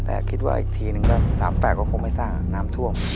แต่คิดว่าอีกทีหนึ่งก็๓๘ก็คงไม่สร้างน้ำท่วม